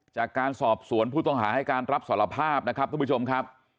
จากการสอบสวนผู้ต้องหาให้การรับสารภาพนะครับทุกผู้ชมครับ